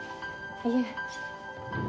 いえ。